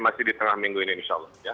masih di tengah minggu ini insya allah